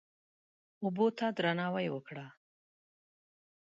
اوبه ته درناوی وکړه.